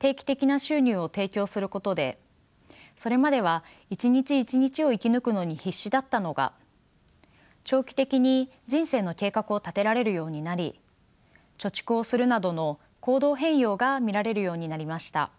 定期的な収入を提供することでそれまでは一日一日を生き抜くのに必死だったのが長期的に人生の計画を立てられるようになり貯蓄をするなどの行動変容が見られるようになりました。